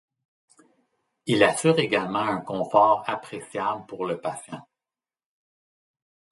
Il assure également un confort appréciable pour le patient.